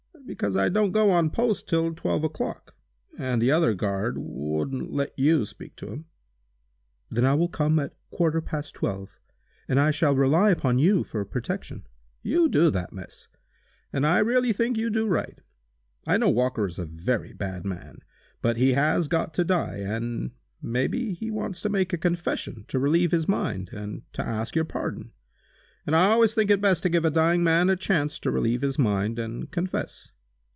"Because I don't go on post until twelve o'clock, and the other guard wouldn't let you speak to him." "Then I will come at quarter past twelve. But I shall rely upon you for protection!" "You may do that, miss. And I really think you do right. I know Walker is a very bad man, but he has got to die, and may be he wants to make a confession to relieve his mind, and to ask your pardon. And I always think it best to give a dying man a chance to relieve his mind, and confess."